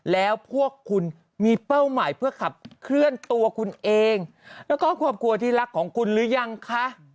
แล้วพวกคุณมีเป้าหมายเพื่อขับเคลื่อนตัวคุณเองแล้วก็ครอบครัวที่รักของคุณหรือยังคะ